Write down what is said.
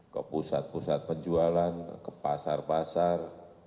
ke pusat pusat penjualan ke pasar pasar